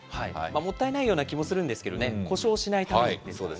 もったいないような気もするんですけどね、故障しないために。